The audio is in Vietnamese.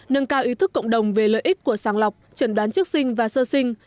nâng cao ý thức cộng đồng về lợi ích của sàng lọc trần đoán trước sinh và sơ sinh